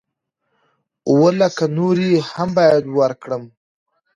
اووه لکه نورې هم بايد ورکړم.